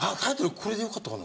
これでよかったかな？